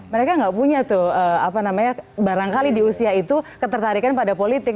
mereka nggak punya tuh apa namanya barangkali di usia itu ketertarikan pada politik